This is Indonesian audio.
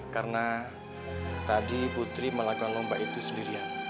karena tadi putri melakukan lomba itu sendirian